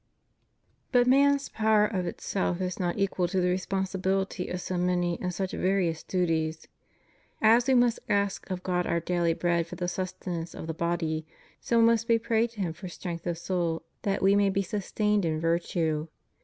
But man's power of itself is not equal to the responsi bility of so many and such various duties. As we must ask of God our daily bread for the sustenance of the body, so must we pray to Him for strength of soul that we may be sustained in virtue.